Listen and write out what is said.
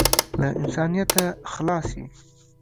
له انسانیته خلاص یې .